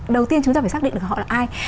đầu tiên chúng ta phải xác định được họ là ai